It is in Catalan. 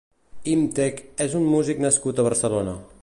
Imtech és un músic nascut a Barcelona.